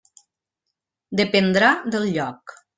Dependrà del lloc.